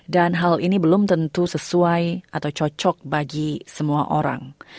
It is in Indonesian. dan hal ini belum tentu sesuai atau cocok bagi semua orang